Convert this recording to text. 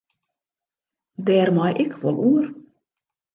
Dêr mei ik wol oer.